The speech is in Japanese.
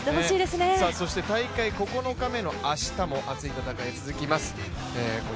そして大会９日目の明日も熱い戦い続きます。